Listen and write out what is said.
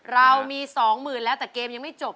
เรามี๒๐๐๐๐แล้วแต่เกมยังไม่จบ